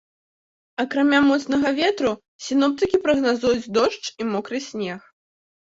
Акрамя моцнага ветру, сіноптыкі прагназуюць дождж і мокры снег.